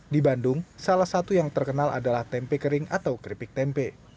di bandung salah satu yang terkenal adalah tempe kering atau keripik tempe